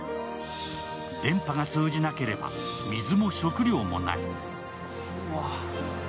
電波が通じなければ水も食料もない。